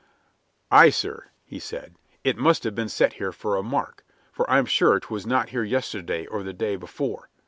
"Aye, sir," he said, "it must have been set here for a mark, for I'm sure 'twas not here yesterday or the day before."